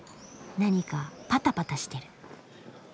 何かパタパタしてる。